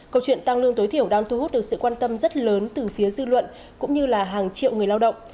câu chuyện tăng lương tối thiểu đang thu hút được sự quan tâm rất lớn từ phía dư luận cũng như là hàng triệu người lao động